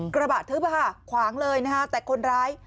กระบาดทึกป่ะค่ะขวางเลยนะฮะแต่คนร้าย